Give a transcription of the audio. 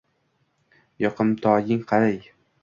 - Yoqimtoying qalay?